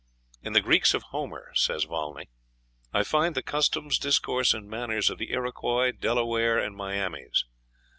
"In the Greeks of Homer," says Volney, "I find the customs, discourse, and manners of the Iroquois, Delawares, and Miamis.